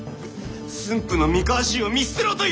駿府の三河衆を見捨てろというのか！